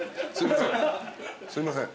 すいません。